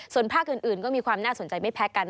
ส่วนภาคอื่นก็มีความน่าสนใจไม่แพ้กัน